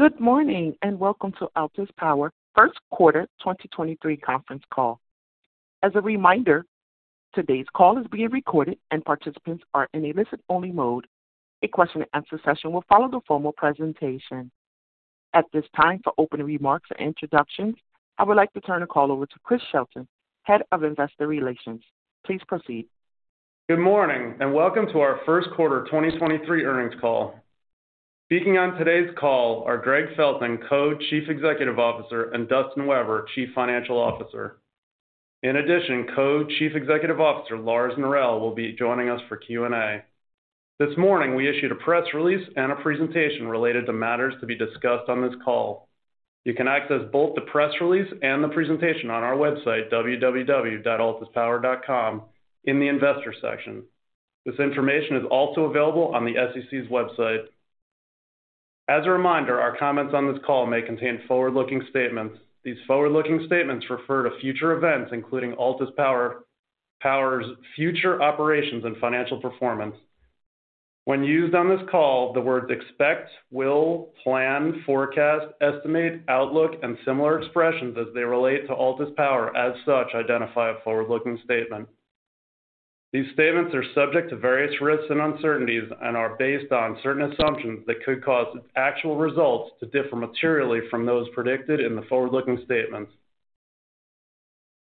Good morning, welcome to Altus Power first quarter 2023 conference call. As a reminder, today's call is being recorded and participants are in a listen-only mode. A question-and-answer session will follow the formal presentation. At this time, for opening remarks and introductions, I would like to turn the call over to Chris Shelton, Head of Investor Relations. Please proceed. Good morning, welcome to our first quarter 2023 earnings call. Speaking on today's call are Gregg Felton, Co-Chief Executive Officer, and Dustin Weber, Chief Financial Officer. In addition, Co-Chief Executive Officer, Lars Norell, will be joining us for Q&A. This morning, we issued a press release and a presentation related to matters to be discussed on this call. You can access both the press release and the presentation on our website, www.altuspower.com, in the Investor section. This information is also available on the SEC's website. As a reminder, our comments on this call may contain forward-looking statements. These forward-looking statements refer to future events, including Altus Power's future operations and financial performance. When used on this call, the words expect, will, plan, forecast, estimate, outlook, and similar expressions as they relate to Altus Power as such identify a forward-looking statement. These statements are subject to various risks and uncertainties and are based on certain assumptions that could cause its actual results to differ materially from those predicted in the forward-looking statements.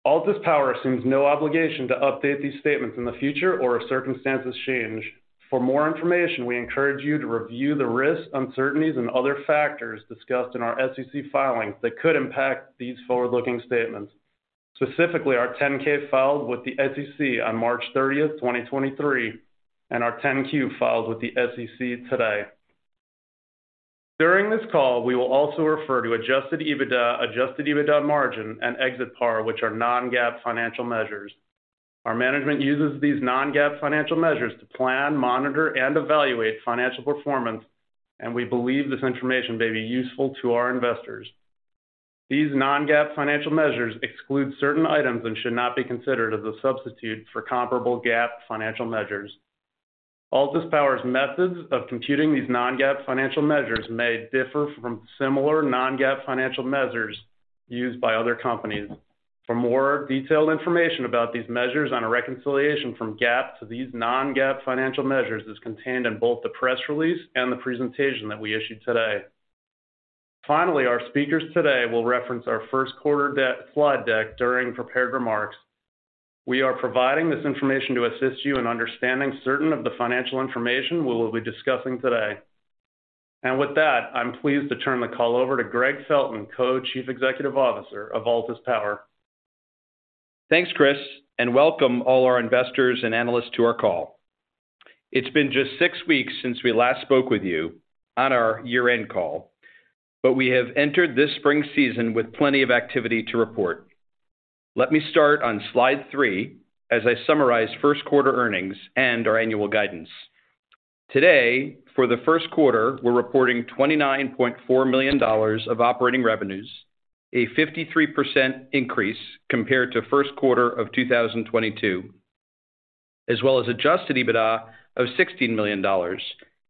Altus Power assumes no obligation to update these statements in the future or if circumstances change. For more information, we encourage you to review the risks, uncertainties and other factors discussed in our SEC filings that could impact these forward-looking statements, specifically our 10-K filed with the SEC on March 30, 2023, and our 10-Q filed with the SEC today. During this call, we will also refer to adjusted EBITDA, adjusted EBITDA margin, and exit PAR, which are non-GAAP financial measures. Our management uses these non-GAAP financial measures to plan, monitor, and evaluate financial performance, and we believe this information may be useful to our investors. These non-GAAP financial measures exclude certain items and should not be considered as a substitute for comparable GAAP financial measures. Altus Power's methods of computing these non-GAAP financial measures may differ from similar non-GAAP financial measures used by other companies. For more detailed information about these measures on a reconciliation from GAAP to these non-GAAP financial measures is contained in both the press release and the presentation that we issued today. Finally, our speakers today will reference our first quarter slide deck during prepared remarks. We are providing this information to assist you in understanding certain of the financial information we will be discussing today. With that, I'm pleased to turn the call over to Gregg Felton, Co-Chief Executive Officer of Altus Power. Thanks, Chris. Welcome all our investors and analysts to our call. It's been just six weeks since we last spoke with you on our year-end call. We have entered this spring season with plenty of activity to report. Let me start on slide three as I summarize first quarter earnings and our annual guidance. Today, for the first quarter, we're reporting $29.4 million of operating revenues, a 53% increase compared to first quarter of 2022, as well as adjusted EBITDA of $16 million,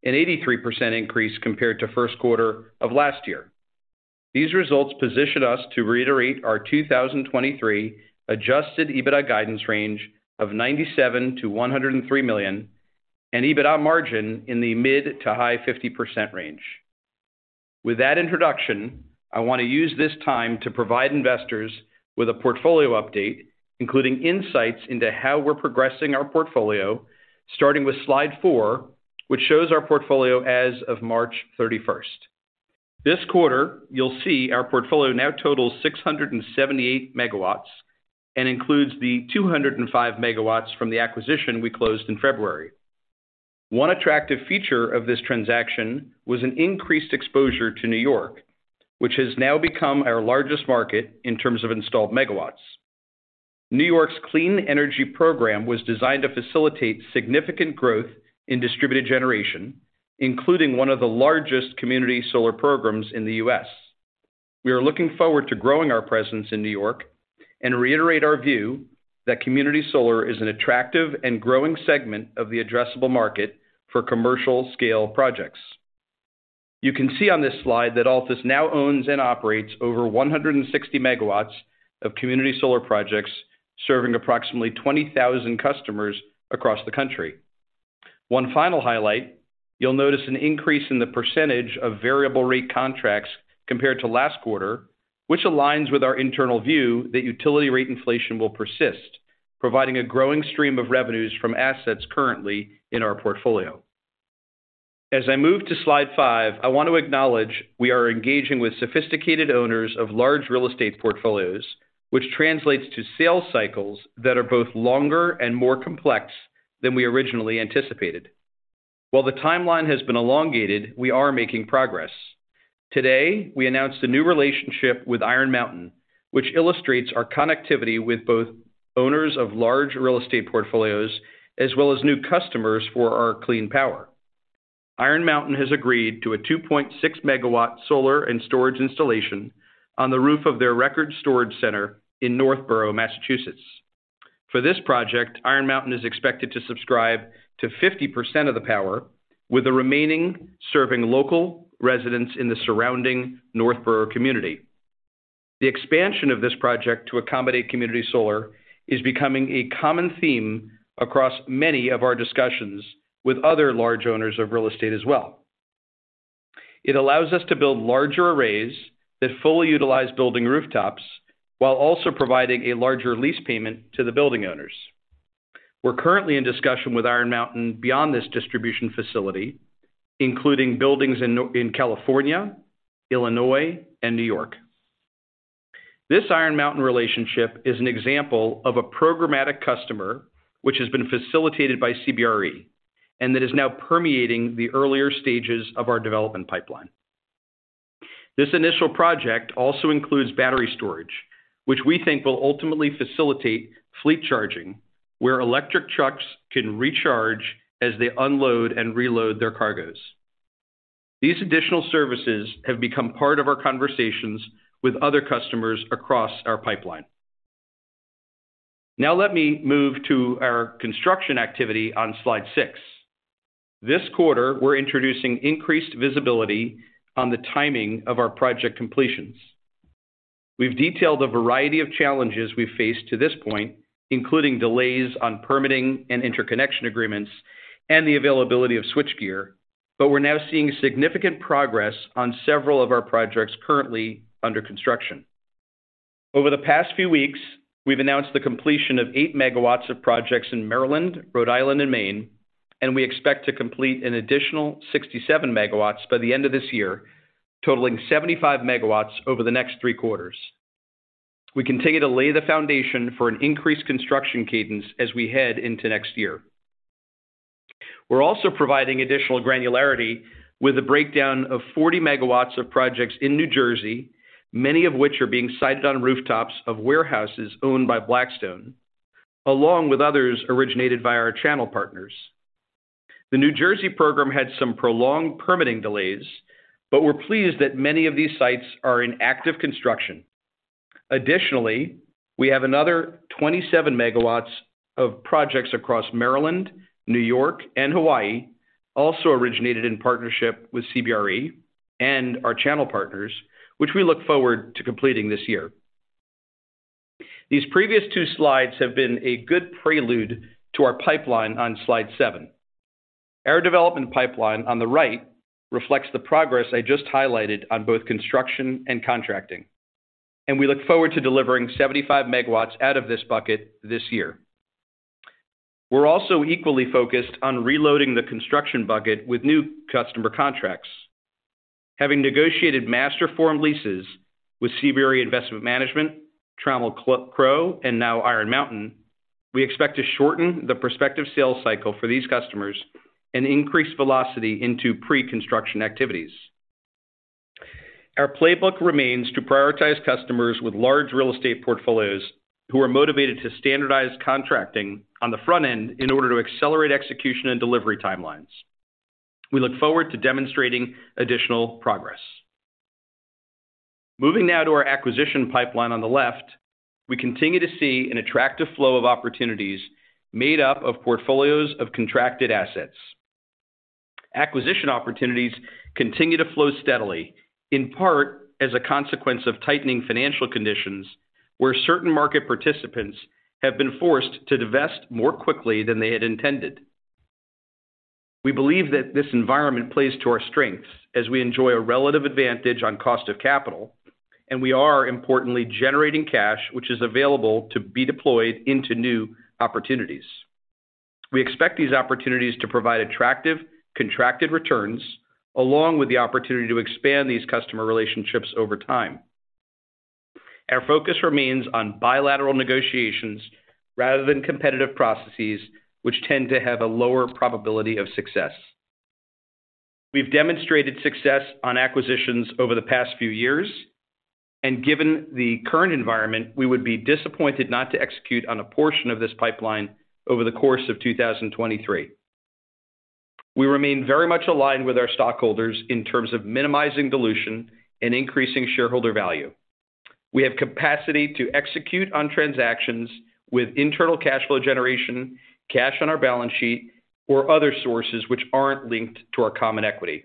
an 83% increase compared to first quarter of last year. These results position us to reiterate our 2023 adjusted EBITDA guidance range of $97 million-$103 million, and EBITDA margin in the mid to high 50% range. With that introduction, I wanna use this time to provide investors with a portfolio update, including insights into how we're progressing our portfolio, starting with slide four, which shows our portfolio as of March 31st. This quarter, you'll see our portfolio now totals 678 MW and includes the 205 MW from the acquisition we closed in February. One attractive feature of this transaction was an increased exposure to New York, which has now become our largest market in terms of installed MW. New York's Clean Energy Program was designed to facilitate significant growth in distributed generation, including one of the largest community solar programs in the U.S. We are looking forward to growing our presence in New York and reiterate our view that community solar is an attractive and growing segment of the addressable market for commercial-scale projects. You can see on this slide that Altus now owns and operates over 160 MW of community solar projects, serving approximately 20,000 customers across the country. One final highlight, you'll notice an increase in the percentage of variable rate contracts compared to last quarter, which aligns with our internal view that utility rate inflation will persist, providing a growing stream of revenues from assets currently in our portfolio. As I move to slide five, I want to acknowledge we are engaging with sophisticated owners of large real estate portfolios, which translates to sales cycles that are both longer and more complex than we originally anticipated. While the timeline has been elongated, we are making progress. Today, we announced a new relationship with Iron Mountain, which illustrates our connectivity with both owners of large real estate portfolios, as well as new customers for our clean power. Iron Mountain has agreed to a 2.6 MW solar and storage installation on the roof of their record storage center in Northborough, Massachusetts. For this project, Iron Mountain is expected to subscribe to 50% of the power, with the remaining serving local residents in the surrounding Northborough community. The expansion of this project to accommodate community solar is becoming a common theme across many of our discussions with other large owners of real estate as well. It allows us to build larger arrays that fully utilize building rooftops while also providing a larger lease payment to the building owners. We're currently in discussion with Iron Mountain beyond this distribution facility, including buildings in California, Illinois, and New York. This Iron Mountain relationship is an example of a programmatic customer, which has been facilitated by CBRE, and that is now permeating the earlier stages of our development pipeline. This initial project also includes battery storage, which we think will ultimately facilitate fleet charging, where electric trucks can recharge as they unload and reload their cargoes. These additional services have become part of our conversations with other customers across our pipeline. Let me move to our construction activity on slide six. This quarter, we're introducing increased visibility on the timing of our project completions. We've detailed a variety of challenges we've faced to this point, including delays on permitting and interconnection agreements and the availability of switchgear, but we're now seeing significant progress on several of our projects currently under construction. Over the past few weeks, we've announced the completion of 8 MW of projects in Maryland, Rhode Island, and Maine. We expect to complete an additional 67 MW by the end of this year, totaling 75 MW over the next three quarters. We continue to lay the foundation for an increased construction cadence as we head into next year. We're also providing additional granularity with a breakdown of 40 MW of projects in New Jersey, many of which are being sited on rooftops of warehouses owned by Blackstone, along with others originated via our channel partners. The New Jersey program had some prolonged permitting delays. We're pleased that many of these sites are in active construction. Additionally, we have another 27 MW of projects across Maryland, New York, and Hawaii, also originated in partnership with CBRE and our channel partners, which we look forward to completing this year. These previous two slides have been a good prelude to our pipeline on slide seven. Our development pipeline on the right reflects the progress I just highlighted on both construction and contracting. We look forward to delivering 75 MW out of this bucket this year. We're also equally focused on reloading the construction bucket with new customer contracts. Having negotiated master form leases with CBRE Investment Management, Trammell Crow, and now Iron Mountain, we expect to shorten the prospective sales cycle for these customers and increase velocity into pre-construction activities. Our playbook remains to prioritize customers with large real estate portfolios who are motivated to standardize contracting on the front end in order to accelerate execution and delivery timelines. We look forward to demonstrating additional progress. Moving now to our acquisition pipeline on the left, we continue to see an attractive flow of opportunities made up of portfolios of contracted assets. Acquisition opportunities continue to flow steadily, in part as a consequence of tightening financial conditions, where certain market participants have been forced to divest more quickly than they had intended. We believe that this environment plays to our strengths as we enjoy a relative advantage on cost of capital, and we are importantly generating cash which is available to be deployed into new opportunities. We expect these opportunities to provide attractive contracted returns, along with the opportunity to expand these customer relationships over time. Our focus remains on bilateral negotiations rather than competitive processes, which tend to have a lower probability of success. We've demonstrated success on acquisitions over the past few years. Given the current environment, we would be disappointed not to execute on a portion of this pipeline over the course of 2023. We remain very much aligned with our stockholders in terms of minimizing dilution and increasing shareholder value. We have capacity to execute on transactions with internal cash flow generation, cash on our balance sheet, or other sources which aren't linked to our common equity.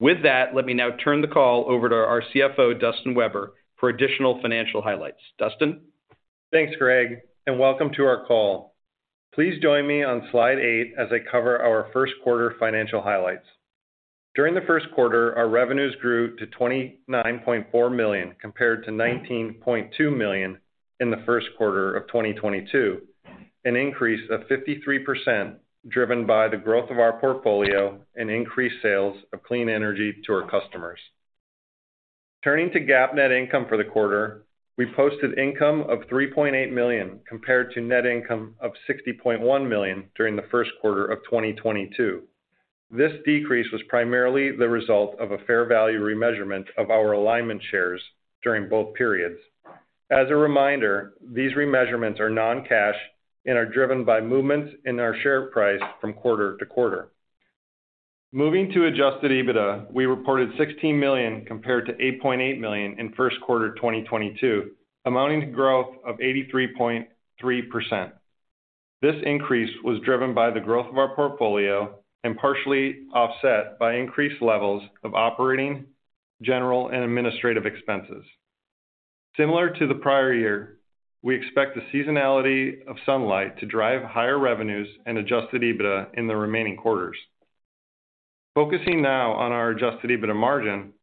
Let me now turn the call over to our CFO, Dustin Weber, for additional financial highlights. Dustin? Thanks, Gregg, welcome to our call. Please join me on slide eight as I cover our first quarter financial highlights. During the first quarter, our revenues grew to $29.4 million compared to $19.2 million in the first quarter of 2022, an increase of 53% driven by the growth of our portfolio and increased sales of clean energy to our customers. Turning to GAAP net income for the quarter, we posted income of $3.8 million compared to net income of $60.1 million during the first quarter of 2022. This decrease was primarily the result of a fair value remeasurement of our Alignment Shares during both periods. As a reminder, these remeasurements are non-cash and are driven by movements in our share price from quarter-to-quarter. Moving to adjusted EBITDA, we reported $16 million compared to $8.8 million in first quarter 2022, amounting to growth of 83.3%. This increase was driven by the growth of our portfolio and partially offset by increased levels of operating, general, and administrative expenses. Similar to the prior year, we expect the seasonality of sunlight to drive higher revenues and adjusted EBITDA in the remaining quarters. Focusing now on our adjusted EBITDA margin.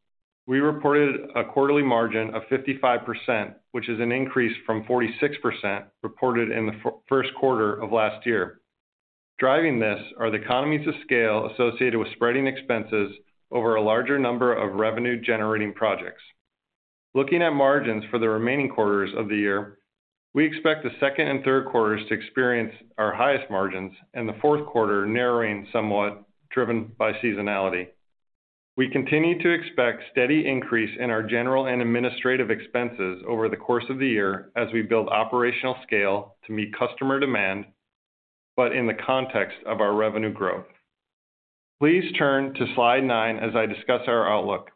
We reported a quarterly margin of 55%, which is an increase from 46% reported in the first quarter of last year. Driving this are the economies of scale associated with spreading expenses over a larger number of revenue-generating projects. Looking at margins for the remaining quarters of the year, we expect the second and third quarters to experience our highest margins and the fourth quarter narrowing somewhat, driven by seasonality. We continue to expect steady increase in our general and administrative expenses over the course of the year as we build operational scale to meet customer demand, but in the context of our revenue growth. Please turn to slide nine as I discuss our outlook.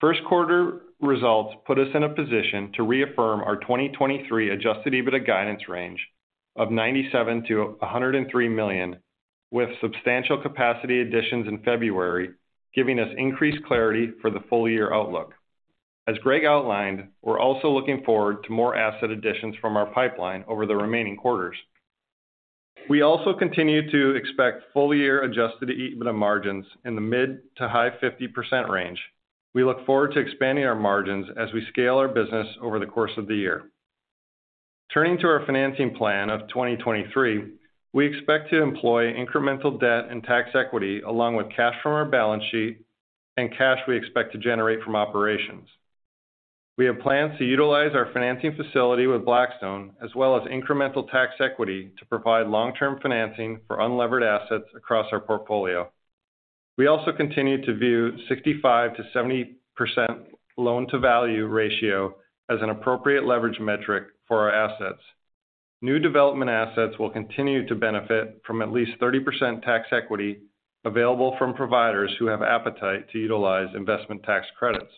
First quarter results put us in a position to reaffirm our 2023 adjusted EBITDA guidance range of $97 million-$103 million, with substantial capacity additions in February, giving us increased clarity for the full year outlook. As Gregg outlined, we're also looking forward to more asset additions from our pipeline over the remaining quarters. We also continue to expect full-year adjusted EBITDA margins in the mid to high 50% range. We look forward to expanding our margins as we scale our business over the course of the year. Turning to our financing plan of 2023, we expect to employ incremental debt and tax equity along with cash from our balance sheet and cash we expect to generate from operations. We have plans to utilize our financing facility with Blackstone as well as incremental tax equity to provide long-term financing for unlevered assets across our portfolio. We also continue to view 65%-70% loan-to-value ratio as an appropriate leverage metric for our assets. New development assets will continue to benefit from at least 30% tax equity available from providers who have appetite to utilize investment tax credits.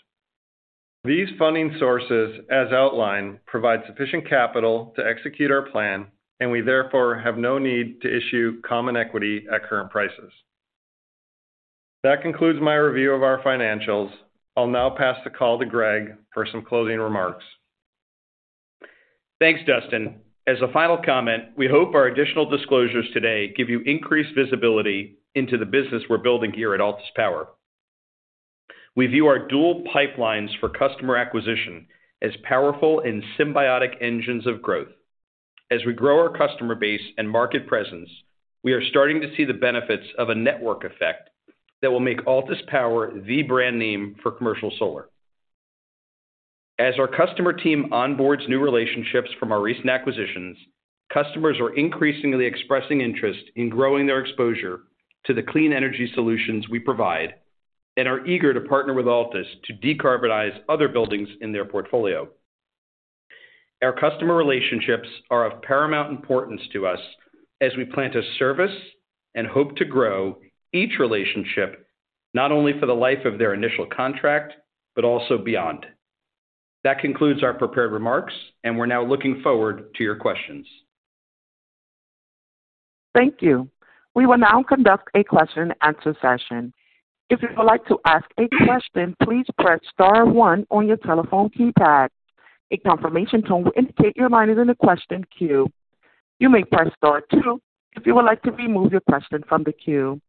These funding sources, as outlined, provide sufficient capital to execute our plan, and we therefore have no need to issue common equity at current prices. That concludes my review of our financials. I'll now pass the call to Greg for some closing remarks. Thanks, Dustin. As a final comment, we hope our additional disclosures today give you increased visibility into the business we're building here at Altus Power. We view our dual pipelines for customer acquisition as powerful and symbiotic engines of growth. As we grow our customer base and market presence, we are starting to see the benefits of a network effect that will make Altus Power the brand name for commercial solar. As our customer team onboards new relationships from our recent acquisitions, customers are increasingly expressing interest in growing their exposure to the clean energy solutions we provide and are eager to partner with Altus to decarbonize other buildings in their portfolio. Our customer relationships are of paramount importance to us as we plan to service and hope to grow each relationship, not only for the life of their initial contract, but also beyond. That concludes our prepared remarks, and we're now looking forward to your questions. Thank you. We will now conduct a question and answer session. If you would like to ask a question, please press star one on your telephone keypad. A confirmation tone will indicate your line is in the question queue. You may press star two if you would like to remove your question from the queue.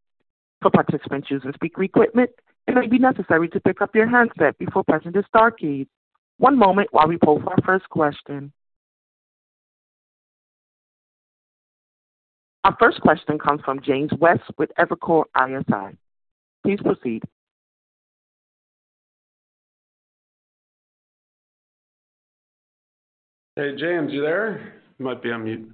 For participants using speaker equipment, it may be necessary to pick up your handset before pressing the star key. One moment while we poll for our first question. Our first question comes from James West with Evercore ISI. Please proceed. Hey, James, you there? You might be on mute.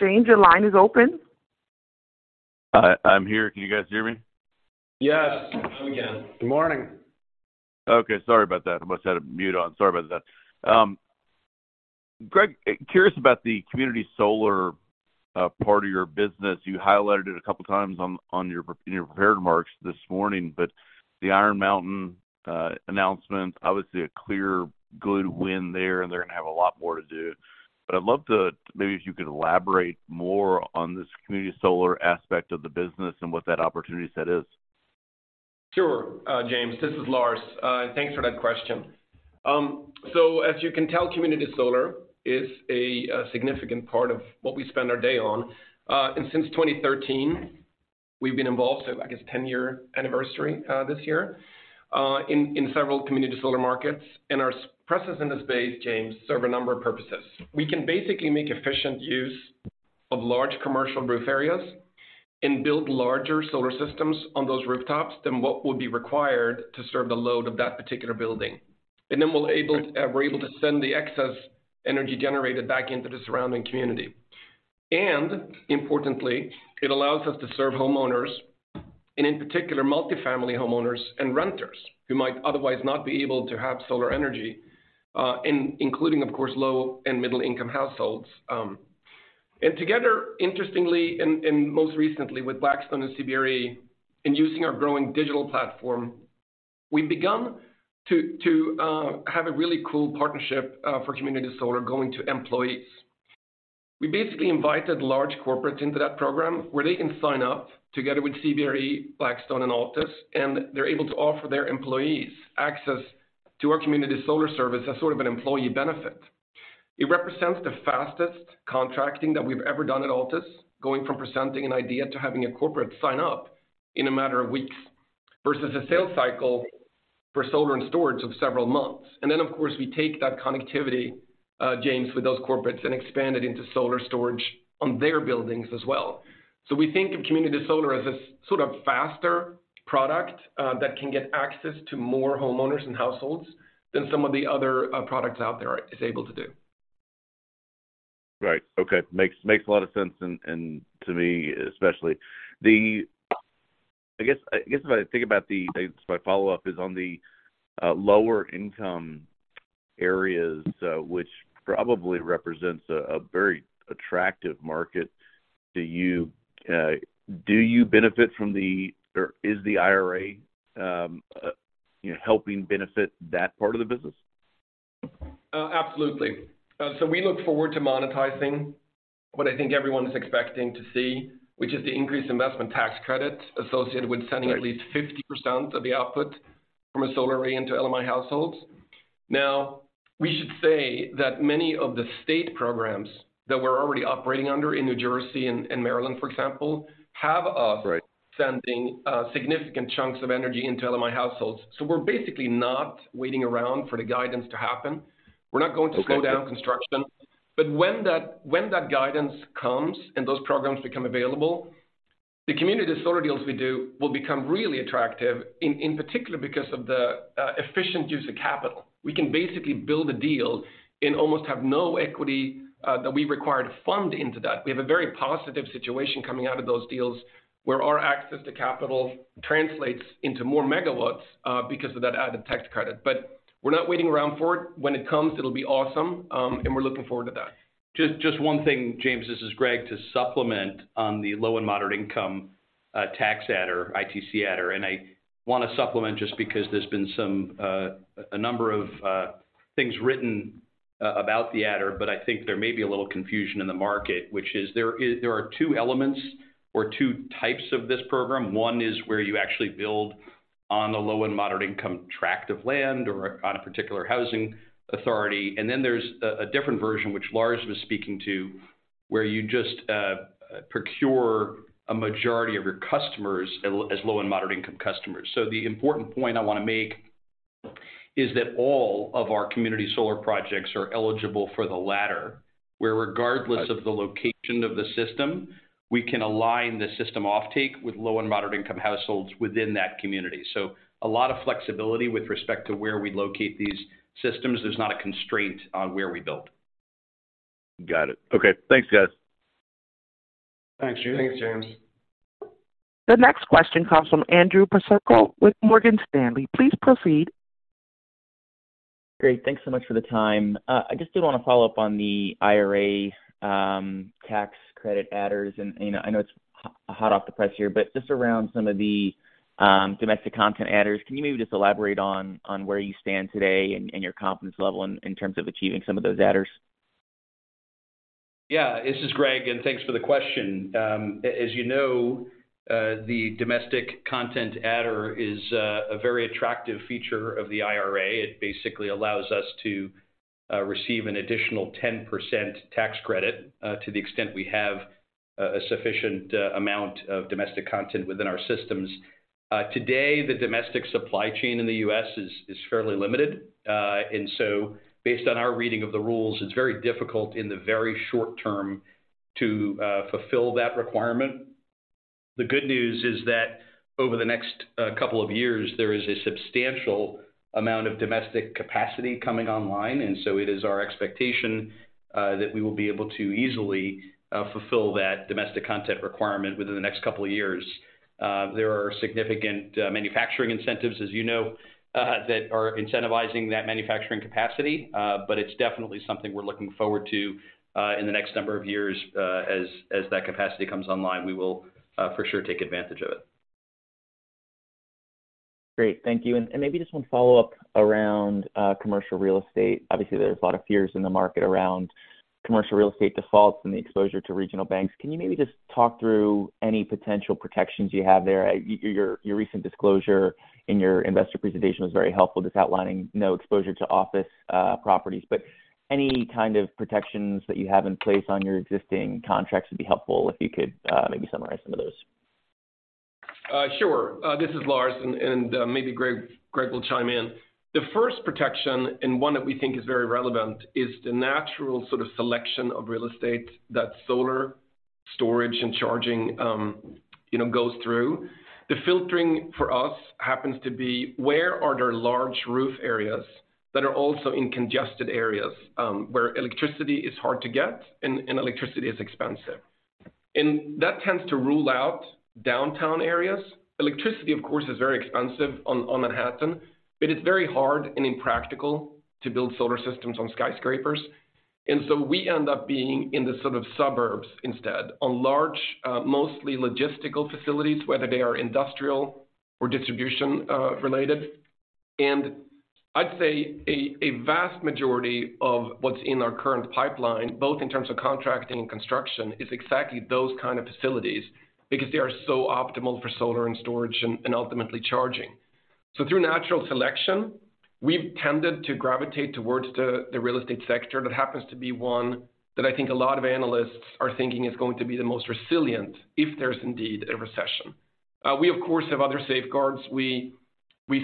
James, your line is open. Hi, I'm here. Can you guys hear me? Yes. Hello again. Good morning. Okay, sorry about that. I must've had a mute on. Sorry about that. Greg, curious about the community solar part of your business. You highlighted it a couple times on your prepared remarks this morning, but the Iron Mountain announcement, obviously a clear good win there, and they're going to have a lot more to do. Maybe if you could elaborate more on this community solar aspect of the business and what that opportunity set is? Sure, James. This is Lars. Thanks for that question. As you can tell, community solar is a significant part of what we spend our day on. Since 2013, we've been involved, so I guess 10-year anniversary this year in several community solar markets. Our presence in this space, James, serve a number of purposes. We can basically make efficient use of large commercial roof areas and build larger solar systems on those rooftops than what would be required to serve the load of that particular building. Then we're able to send the excess energy generated back into the surrounding community. Importantly, it allows us to serve homeowners, and in particular, multifamily homeowners and renters who might otherwise not be able to have solar energy, including, of course, low and middle-income households. Together, interestingly, and most recently with Blackstone and CBRE, in using our growing digital platform, we've begun to have a really cool partnership for community solar going to employees. We basically invited large corporates into that program where they can sign up together with CBRE, Blackstone, and Altus, and they're able to offer their employees access to our community solar service as sort of an employee benefit. It represents the fastest contracting that we've ever done at Altus, going from presenting an idea to having a corporate sign up in a matter of weeks versus a sales cycle for solar and storage of several months. Of course, we take that connectivity, James, with those corporates and expand it into solar storage on their buildings as well. We think of community solar as a sort of faster product, that can get access to more homeowners and households than some of the other products out there is able to do. Right. Okay. Makes a lot of sense and to me especially. I guess my follow-up is on the lower-income areas, which probably represents a very attractive market. Do you benefit from the... Or is the IRA, you know, helping benefit that part of the business? Absolutely. We look forward to monetizing what I think everyone is expecting to see, which is the increased investment tax credits associated with. Right... at least 50% of the output from a solar array into LMI households. Now, we should say that many of the state programs that we're already operating under in New Jersey and Maryland, for example, have us. Right ... sending significant chunks of energy into LMI households. We're basically not waiting around for the guidance to happen. Okay... slow down construction. When that guidance comes and those programs become available, the community solar deals we do will become really attractive, in particular because of the efficient use of capital. We can basically build a deal and almost have no equity that we require to fund into that. We have a very positive situation coming out of those deals, where our access to capital translates into more MW because of that added tax credit. We're not waiting around for it. When it comes, it'll be awesome, and we're looking forward to that. Just one thing, James, this is Gregg. To supplement on the Low and Moderate-Income tax adder, ITC adder, I wanna supplement just because there's been some a number of things written about the adder, but I think there may be a little confusion in the market, which is there are two elements or two types of this program. One is where you actually build on the Low and Moderate-Income tract of land or on a particular housing authority. Then there's a different version, which Lars was speaking to, where you just procure a majority of your customers as Low and Moderate-income customers. The important point I wanna make is that all of our community solar projects are eligible for the latter, where regardless of the location of the system, we can align the system offtake with Low and Moderate-Income households within that community. A lot of flexibility with respect to where we locate these systems. There's not a constraint on where we build. Got it. Okay. Thanks, guys. Thanks, James. Thanks, James. The next question comes from Andrew Percoco with Morgan Stanley. Please proceed. Great. Thanks so much for the time. I just did wanna follow up on the IRA tax credit adders. you know, I know it's hot off the press here, but just around some of the domestic content adders, can you maybe just elaborate on where you stand today and your confidence level in terms of achieving some of those adders? Yeah. This is Gregg, thanks for the question. As you know, the domestic content adder is a very attractive feature of the IRA. It basically allows us to receive an additional 10% tax credit to the extent we have a sufficient amount of domestic content within our systems. Today, the domestic supply chain in the U.S. is fairly limited. Based on our reading of the rules, it's very difficult in the very short term to fulfil that requirement. The good news is that over the next couple of years, there is a substantial amount of domestic capacity coming online, it is our expectation that we will be able to easily fulfil that domestic content requirement within the next couple of years. There are significant manufacturing incentives, as you know, that are incentivizing that manufacturing capacity. It's definitely something we're looking forward to in the next number of years, as that capacity comes online. We will for sure take advantage of it. Great. Thank you. Maybe just one follow-up around commercial real estate. Obviously, there's a lot of fears in the market around commercial real estate defaults and the exposure to regional banks. Can you maybe just talk through any potential protections you have there? Your recent disclosure in your investor presentation was very helpful, just outlining no exposure to office properties. Any kind of protections that you have in place on your existing contracts would be helpful, if you could maybe summarize some of those. Sure. This is Lars, and maybe Gregg will chime in. The first protection, and one that we think is very relevant, is the natural sort of selection of real estate that solar storage and charging, you know, goes through. The filtering for us happens to be where are there large roof areas that are also in congested areas, where electricity is hard to get and electricity is expensive. That tends to rule out downtown areas. Electricity, of course, is very expensive on Manhattan, but it's very hard and impractical to build solar systems on skyscrapers. We end up being in the sort of suburbs instead, on large, mostly logistical facilities, whether they are industrial or distribution-related I'd say a vast majority of what's in our current pipeline, both in terms of contracting and construction, is exactly those kind of facilities because they are so optimal for solar and storage and ultimately charging. Through natural selection, we've tended to gravitate towards the real estate sector. That happens to be one that I think a lot of analysts are thinking is going to be the most resilient if there's indeed a recession. We, of course, have other safeguards. We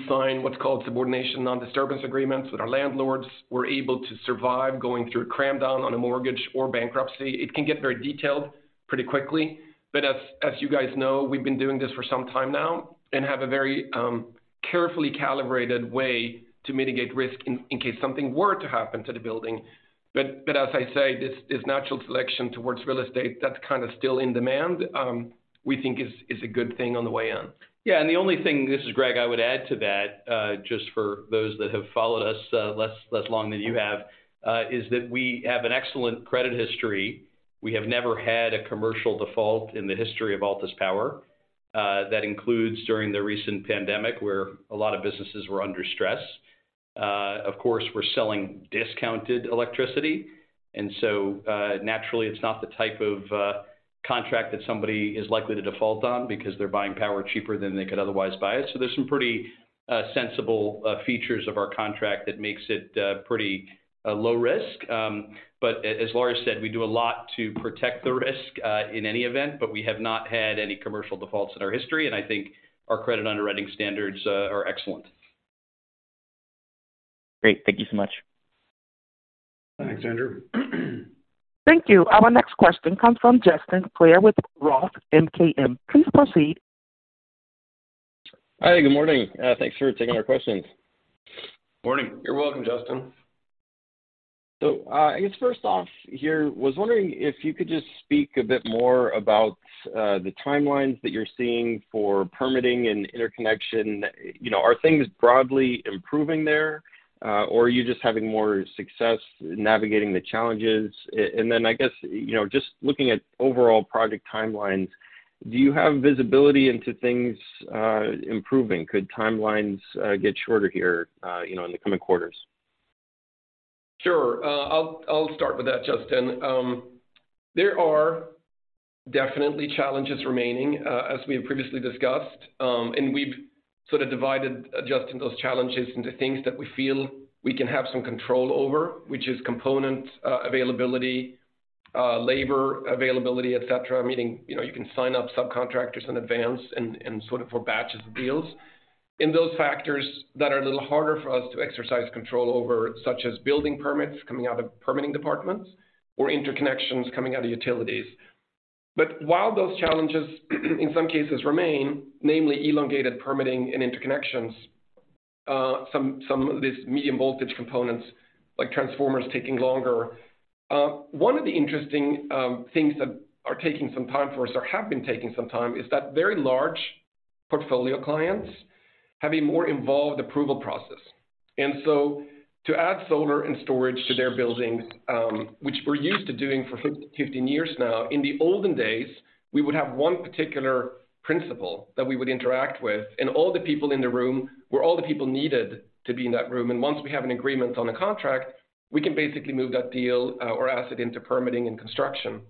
sign what's called Subordination, Non-Disturbance agreements with our landlords. We're able to survive going through a cram-down on a mortgage or bankruptcy. It can get very detailed pretty quickly, as you guys know, we've been doing this for some time now and have a very carefully calibrated way to mitigate risk in case something were to happen to the building. As I say, this is natural selection towards real estate that's kind of still in demand, we think is a good thing on the way in. The only thing, this is Gregg, I would add to that, just for those that have followed us less long than you have, is that we have an excellent credit history. We have never had a commercial default in the history of Altus Power. That includes during the recent pandemic where a lot of businesses were under stress. Of course, we're selling discounted electricity, naturally, it's not the type of contract that somebody is likely to default on because they're buying power cheaper than they could otherwise buy it. There's some pretty sensible features of our contract that makes it pretty low risk. But as Lars said, we do a lot to protect the risk in any event, but we have not had any commercial defaults in our history, and I think our credit underwriting standards are excellent. Great. Thank you so much. Thanks, Andrew. Thank you. Our next question comes from Justin Clare with ROTH MKM. Please proceed. Hi, good morning. thanks for taking our questions. Morning. You're welcome, Justin. I guess first off here, was wondering if you could just speak a bit more about the timelines that you're seeing for permitting and interconnection. You know, are things broadly improving there, or are you just having more success navigating the challenges? I guess, you know, just looking at overall project timelines, do you have visibility into things improving? Could timelines get shorter here, you know, in the coming quarters? Sure. I'll start with that, Justin. There are definitely challenges remaining, as we have previously discussed. We've sort of divided adjusting those challenges into things that we feel we can have some control over, which is component availability, labor availability, et cetera. Meaning, you know, you can sign up subcontractors in advance and sort of for batches of deals. In those factors that are a little harder for us to exercise control over, such as building permits coming out of permitting departments or interconnections coming out of utilities. While those challenges, in some cases remain, namely elongated permitting and interconnections, some of these medium voltage components, like transformers taking longer. One of the interesting things that are taking some time for us or have been taking some time, is that very large portfolio clients have a more involved approval process. To add solar and storage to their buildings, which we're used to doing for 15 years now, in the olden days, we would have one particular principal that we would interact with, and all the people in the room were all the people needed to be in that room. Once we have an agreement on a contract, we can basically move that deal or asset into permitting and construction.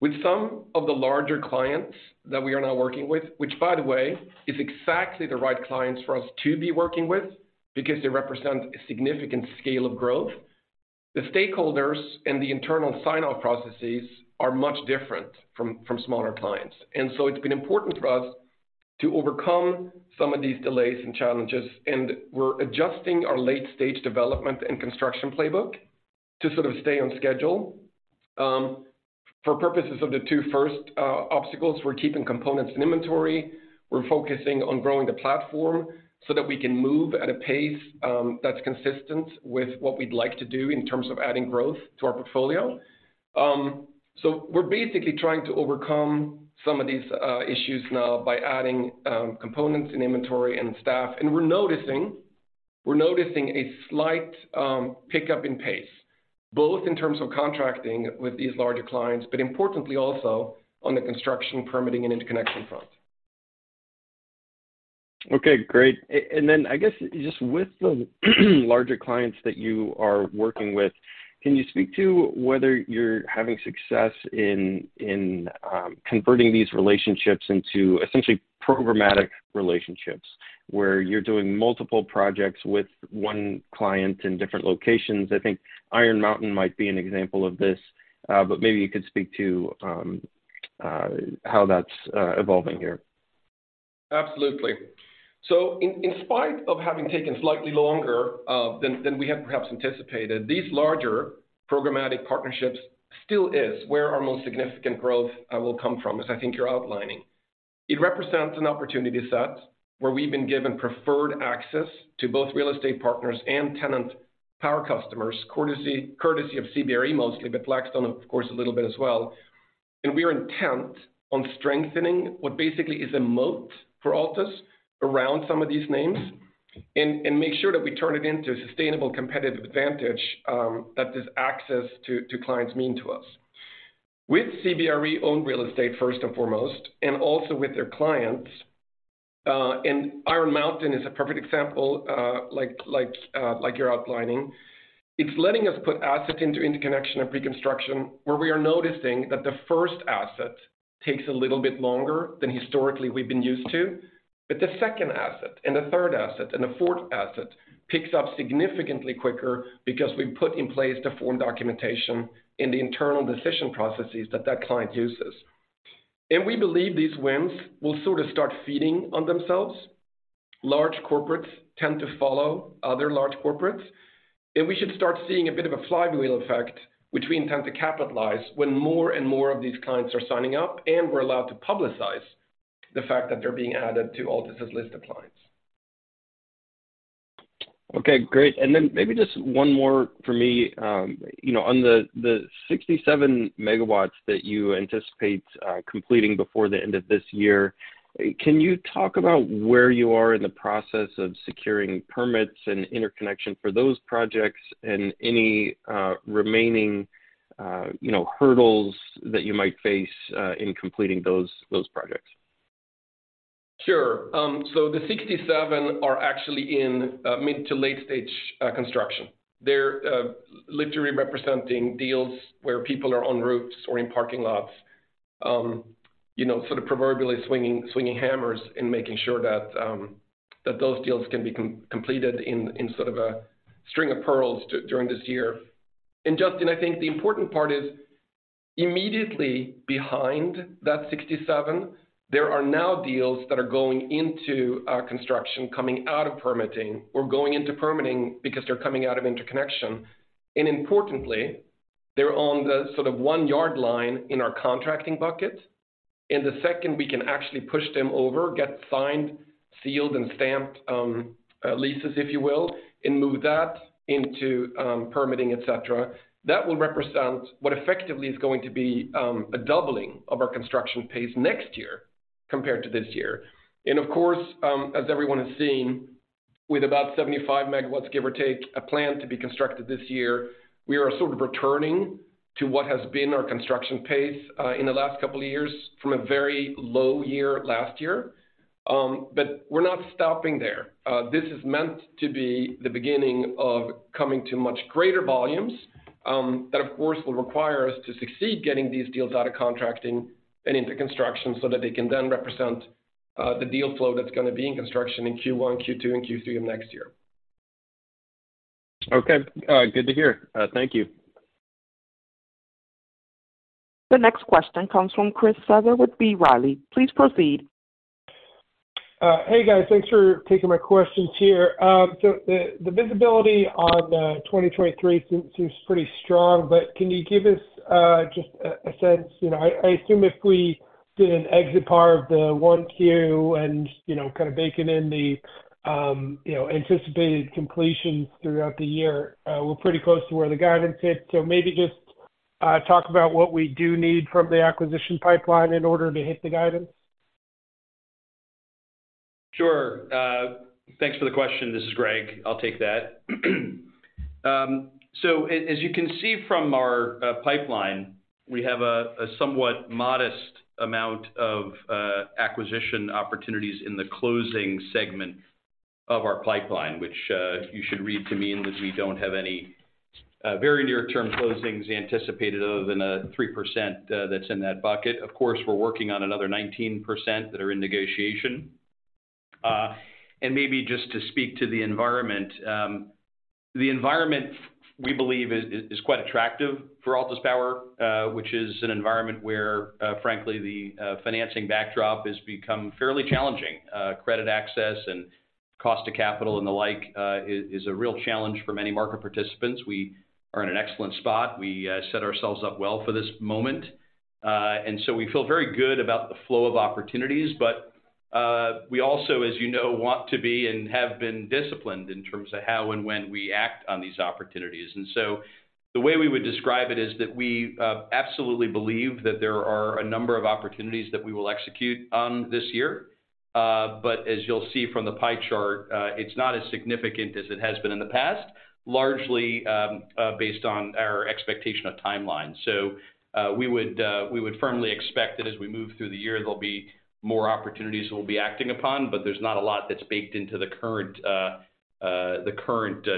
With some of the larger clients that we are now working with, which by the way, is exactly the right clients for us to be working with because they represent a significant scale of growth, the stakeholders and the internal sign-off processes are much different from smaller clients. It's been important for us to overcome some of these delays and challenges, and we're adjusting our late-stage development and construction playbook to sort of stay on schedule. For purposes of the two first obstacles, we're keeping components in inventory. We're focusing on growing the platform so that we can move at a pace that's consistent with what we'd like to do in terms of adding growth to our portfolio. We're basically trying to overcome some of these issues now by adding components and inventory and staff. We're noticing a slight pickup in pace, both in terms of contracting with these larger clients, but importantly also on the construction permitting and interconnection front. Okay, great. Then I guess just with the larger clients that you are working with, can you speak to whether you're having success in converting these relationships into essentially programmatic relationships, where you're doing multiple projects with one client in different locations? I think Iron Mountain might be an example of this, but maybe you could speak to how that's evolving here. Absolutely. In spite of having taken slightly longer than we had perhaps anticipated, these larger programmatic partnerships still is where our most significant growth will come from, as I think you're outlining. It represents an opportunity set where we've been given preferred access to both real estate partners and tenant power customers, courtesy of CBRE mostly, but Blackstone, of course, a little bit as well. We are intent on strengthening what basically is a moat for Altus around some of these names and make sure that we turn it into a sustainable competitive advantage that this access to clients mean to us. With CBRE-owned real estate, first and foremost, and also with their clients, and Iron Mountain is a perfect example, like you're outlining. It's letting us put assets into interconnection and pre-construction, where we are noticing that the first asset takes a little bit longer than historically we've been used to. The second asset, and the third asset, and the fourth asset picks up significantly quicker because we put in place the form documentation and the internal decision processes that client uses. We believe these wins will sort of start feeding on themselves. Large corporates tend to follow other large corporates. We should start seeing a bit of a flywheel effect, which we intend to capitalize when more and more of these clients are signing up, and we're allowed to publicize the fact that they're being added to Altus' list of clients. Okay, great. Maybe just one more for me. you know, on the 67 MW that you anticipate completing before the end of this year, can you talk about where you are in the process of securing permits and interconnection for those projects and any remaining, you know, hurdles that you might face in completing those projects? Sure. The 67 are actually in mid to late stage construction. They're literally representing deals where people are on roofs or in parking lots, you know, sort of proverbially swinging hammers and making sure that those deals can be completed in in sort of a string of pearls during this year. Justin, I think the important part is immediately behind that 67, there are now deals that are going into construction coming out of permitting or going into permitting because they're coming out of interconnection. Importantly, they're on the sort of one yard line in our contracting bucket. The second we can actually push them over, get signed, sealed, and stamped, leases, if you will, and move that into permitting, et cetera, that will represent what effectively is going to be a doubling of our construction pace next year compared to this year. Of course, as everyone has seen, with about 75 MW, give or take, planned to be constructed this year, we are sort of returning to what has been our construction pace in the last couple of years from a very low year last year. We're not stopping there. This is meant to be the beginning of coming to much greater volumes, that of course will require us to succeed getting these deals out of contracting and into construction so that they can then represent, the deal flow that's gonna be in construction in Q1, Q2, and Q3 of next year. Okay. good to hear. thank you. The next question comes from Chris Souther with B. Riley Securities. Please proceed. Hey, guys. Thanks for taking my questions here. The, the visibility on 2023 seems pretty strong, but can you give us just a sense? You know, I assume if we did an exit PAR of the 1Q and, you know, kind of baking in the, anticipated completions throughout the year, we're pretty close to where the guidance hit. Maybe just talk about what we do need from the acquisition pipeline in order to hit the guidance. Sure. Thanks for the question. This is Greg. I'll take that. As you can see from our pipeline, we have a somewhat modest amount of acquisition opportunities in the closing segment of our pipeline, which you should read to mean that we don't have any very near-term closings anticipated other than 3% that's in that bucket. Of course, we're working on another 19% that are in negotiation. Maybe just to speak to the environment, the environment we believe is quite attractive for Altus Power, which is an environment where, frankly, the financing backdrop has become fairly challenging. Credit access and cost of capital and the like, is a real challenge for many market participants. We are in an excellent spot. We set ourselves up well for this moment. We feel very good about the flow of opportunities, but we also, as you know, want to be and have been disciplined in terms of how and when we act on these opportunities. The way we would describe it is that we absolutely believe that there are a number of opportunities that we will execute on this year. As you'll see from the pie chart, it's not as significant as it has been in the past, largely based on our expectation of timeline. We would firmly expect that as we move through the year, there'll be more opportunities we'll be acting upon, but there's not a lot that's baked into the current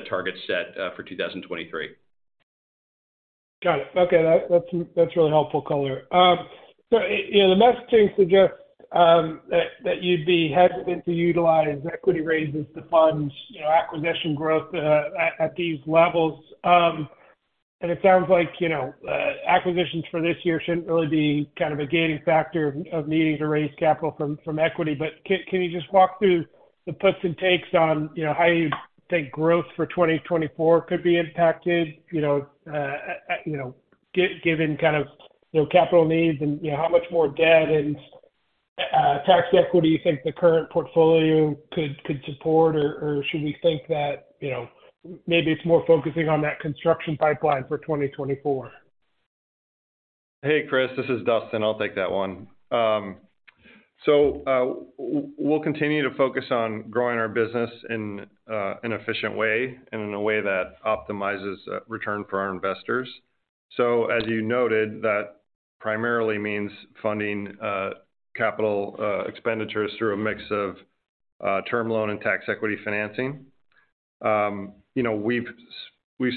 target set for 2023. Got it. Okay. That, that's really helpful color. You know, the messaging suggests that you'd be hesitant to utilize equity raises to fund, you know, acquisition growth at these levels. It sounds like, you know, acquisitions for this year shouldn't really be kind of a gating factor of needing to raise capital from equity. Can you just walk through the puts and takes on, you know, how you think growth for 2024 could be impacted, you know, given kind of, you know, capital needs and tax equity you think the current portfolio could support, or should we think that, you know, maybe it's more focusing on that construction pipeline for 2024? Hey, Chris, this is Dustin. I'll take that one. We'll continue to focus on growing our business in an efficient way and in a way that optimizes return for our investors. As you noted, that primarily means funding capital expenditures through a mix of term loan and tax equity financing. You know, we've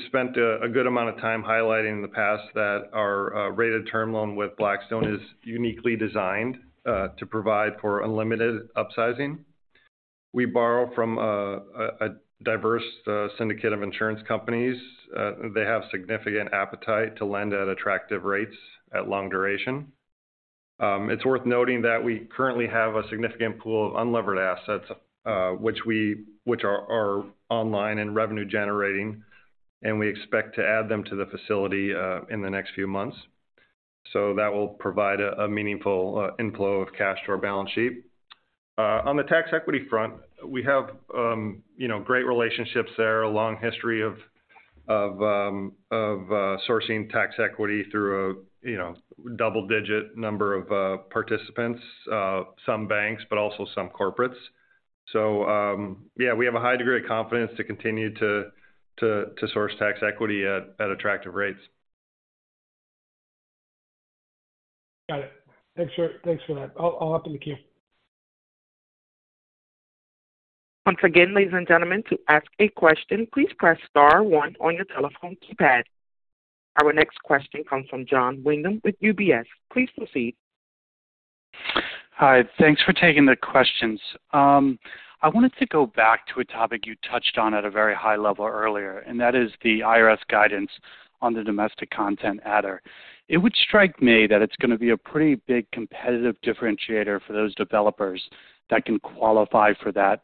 spent a good amount of time highlighting in the past that our rated term loan with Blackstone is uniquely designed to provide for unlimited upsizing. We borrow from a diverse syndicate of insurance companies. They have significant appetite to lend at attractive rates at long duration. It's worth noting that we currently have a significant pool of unlevered assets, which are online and revenue-generating, and we expect to add them to the facility in the next few months. That will provide a meaningful inflow of cash to our balance sheet. On the tax equity front, we have, you know, great relationships there, a long history of sourcing tax equity through a, you know, double-digit number of participants, some banks, but also some corporates. Yeah, we have a high degree of confidence to continue to source tax equity at attractive rates. Got it. Thanks for that. I'll open the queue. Once again, ladies and gentlemen, to ask a question, please press star one on your telephone keypad. Our next question comes from Jon Windham with UBS. Please proceed. Hi. Thanks for taking the questions. I wanted to go back to a topic you touched on at a very high level earlier, and that is the IRS guidance on the domestic content adder. It would strike me that it's gonna be a pretty big competitive differentiator for those developers that can qualify for that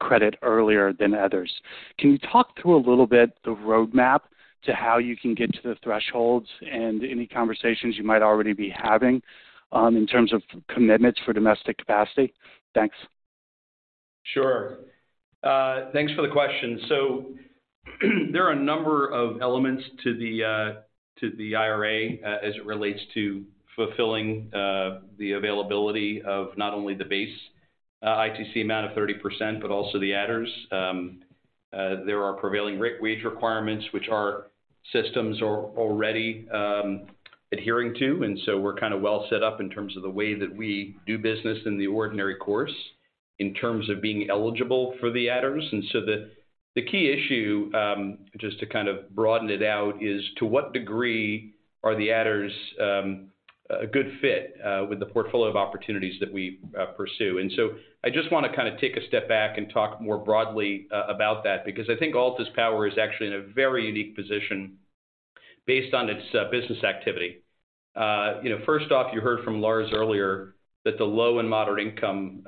credit earlier than others. Can you talk through a little bit the roadmap to how you can get to the thresholds and any conversations you might already be having in terms of commitments for domestic capacity? Thanks. Sure. Thanks for the question. There are a number of elements to the to the IRA as it relates to fulfilling the availability of not only the base ITC amount of 30%, but also the adders. There are prevailing wage requirements which our systems are already adhering to, we're kind of well set up in terms of the way that we do business in the ordinary course in terms of being eligible for the adders. The key issue, just to kind of broaden it out, is to what degree are the adders a good fit with the portfolio of opportunities that we pursue. I just wanna kind of take a step back and talk more broadly about that, because I think Altus Power is actually in a very unique position based on its business activity. You know, first off, you heard from Lars earlier that the low and moderate income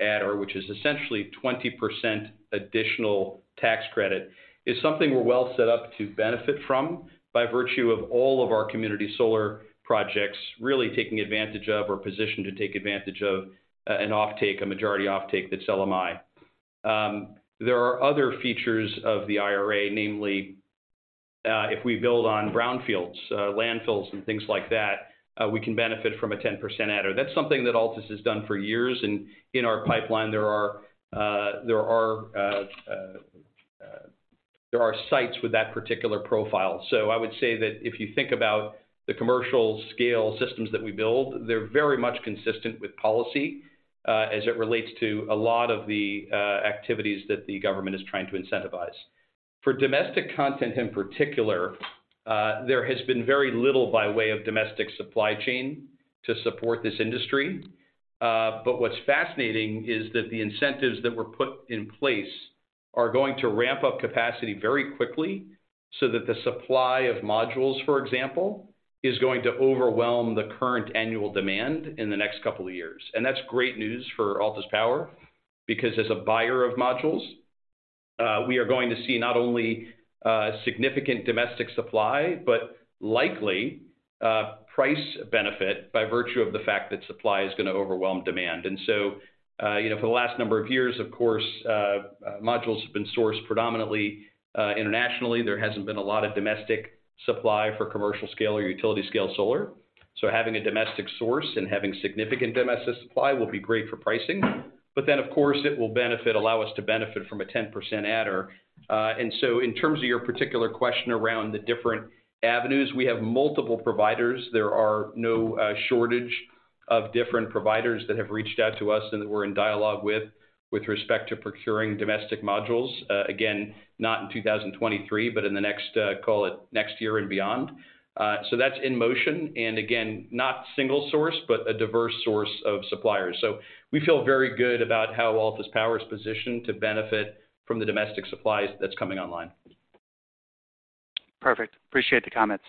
adder, which is essentially 20% additional tax credit, is something we're well set up to benefit from by virtue of all of our community solar projects really taking advantage of or positioned to take advantage of an offtake, a majority offtake that's LMI. There are other features of the IRA, namely, if we build on brownfields, landfills and things like that, we can benefit from a 10% adder. That's something that Altus has done for years. In our pipeline, there are sites with that particular profile. I would say that if you think about the commercial-scale systems that we build, they're very much consistent with policy as it relates to a lot of the activities that the government is trying to incentivize. For domestic content in particular, there has been very little by way of domestic supply chain to support this industry. What's fascinating is that the incentives that were put in place are going to ramp up capacity very quickly so that the supply of modules, for example, is going to overwhelm the current annual demand in the next couple of years. That's great news for Altus Power because as a buyer of modules, we are going to see not only significant domestic supply, but likely price benefit by virtue of the fact that supply is gonna overwhelm demand. You know, for the last number of years, of course, modules have been sourced predominantly internationally. There hasn't been a lot of domestic supply for commercial-scale or utility scale solar. Having a domestic source and having significant domestic supply will be great for pricing. Of course, it will allow us to benefit from a 10% adder. In terms of your particular question around the different avenues, we have multiple providers. There are no shortage of different providers that have reached out to us and that we're in dialogue with respect to procuring domestic modules. Again, not in 2023, but in the next call it next year and beyond. That's in motion. Again, not single source, but a diverse source of suppliers. We feel very good about how Altus Power is positioned to benefit from the domestic supplies that's coming online. Perfect. Appreciate the comments.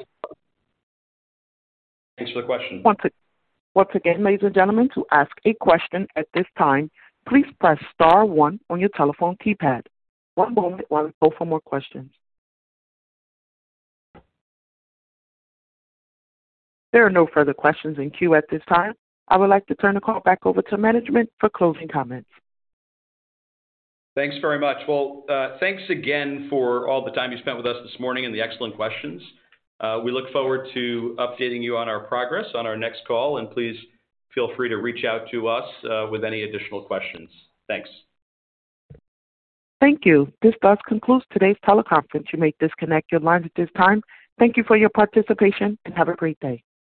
Thanks for the question. Once again, ladies and gentlemen, to ask a question at this time, please press star one on your telephone keypad. One moment while I look for more questions. There are no further questions in queue at this time. I would like to turn the call back over to management for closing comments. Thanks very much. Well, thanks again for all the time you spent with us this morning and the excellent questions. We look forward to updating you on our progress on our next call, and please feel free to reach out to us with any additional questions. Thanks. Thank you. This does conclude today's teleconference. You may disconnect your lines at this time. Thank you for your participation, and have a great day.